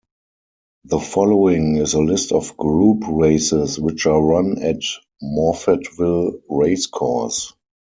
The following is a list of Group races which are run at Morphettville Racecourse.